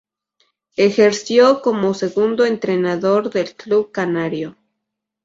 Ejerció como segundo entrenador del club canario.